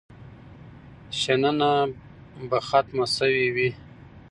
شننه به ختمه شوې وي.